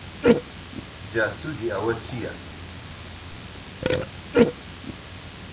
جا سوودی ئەوە چیە؟